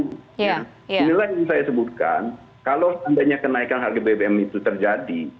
nah inilah yang saya sebutkan kalau seandainya kenaikan harga bbm itu terjadi